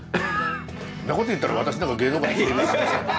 んなこと言ったら私なんか芸能界で生きていけませんよ。